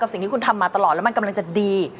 สิ่งที่คุณทำมาตลอดแล้วมันกำลังจะดี